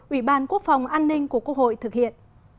ủy ban quốc phòng an ninh của quốc hội thực hiện